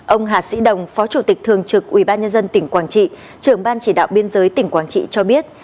ông hà sĩ đồng phó chủ tịch thường trực ubnd tỉnh quảng trị trưởng ban chỉ đạo biên giới tỉnh quảng trị cho biết